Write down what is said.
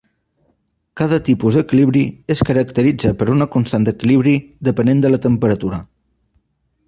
Cada tipus d'equilibri es caracteritza per una constant d'equilibri dependent de la temperatura.